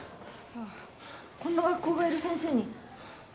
こんな学校がいる先生に。